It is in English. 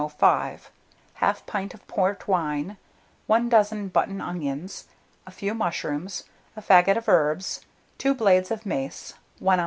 105, 1/2 pint of port wine, 1 dozen button onions, a few mushrooms, a faggot of herbs, 2 blades of mace, 1 oz.